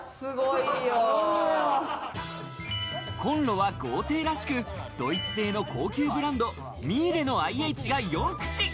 コンロは豪邸らしくドイツ製の高級ブランド、ミーレのＩＨが４口。